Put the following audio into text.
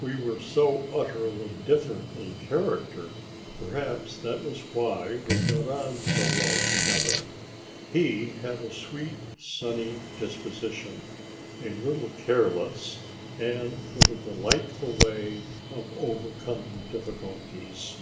We were so utterly different in character, perhaps that was why we got on so well together. He had a sweet, sunny disposition, a little careless, and with a delightful way of overcoming difficulties.